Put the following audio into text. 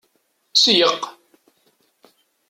Seyyeq!